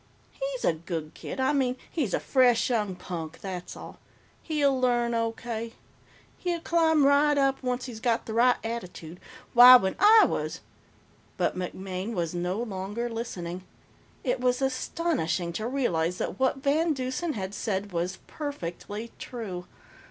"He's a good kid. I mean, he's a fresh young punk, that's all. He'll learn, O.K. He'll climb right up, once he's got the right attitude. Why, when I was " But MacMaine was no longer listening. It was astonishing to realize that what VanDeusen had said was perfectly true.